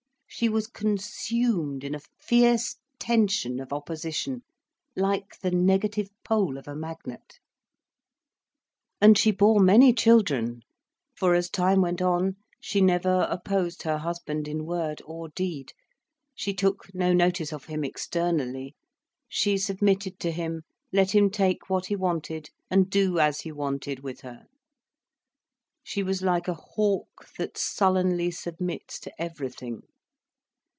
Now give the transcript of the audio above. She was consumed in a fierce tension of opposition, like the negative pole of a magnet. And she bore many children. For, as time went on, she never opposed her husband in word or deed. She took no notice of him, externally. She submitted to him, let him take what he wanted and do as he wanted with her. She was like a hawk that sullenly submits to everything.